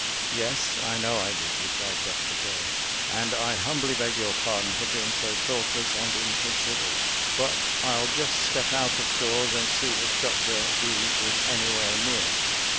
"Yes, I know I did," replied Dr. Doe; "and SOME "ESCAPE" STORIES 205 I humbly beg your pardon for being so thought less and inconsiderate. But I'll just step out of doors and see if Dr. B is anywhere near."